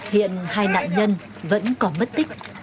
hiện hai nạn nhân vẫn có mất tích